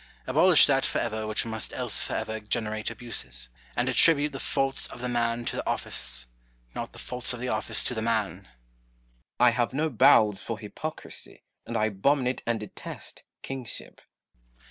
Abolish that for ever which must else for ever generate abuses ; and attribute the faults of the man to the office, not the faults of the office to the man. Cromwell. I have no bowels for hypocrisy, and I abomi nate and detest kingship.